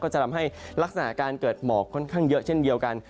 จะทำให้ลักษณะการเกิดหมอกค่อนข้างเยอะเช่นเดียวกัน